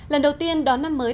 lần đầu tiên đón năm mới